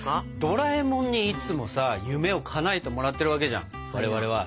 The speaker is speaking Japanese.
ドラえもんにいつもさ夢をかなえてもらってるわけじゃん我々は。